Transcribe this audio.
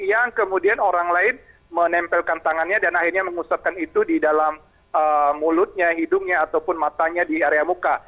yang kemudian orang lain menempelkan tangannya dan akhirnya mengusapkan itu di dalam mulutnya hidungnya ataupun matanya di area muka